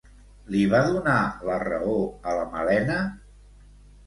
Li va donar la raó a la Malena?